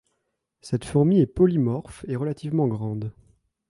Cette fourmi est polymorphe et relativement grande.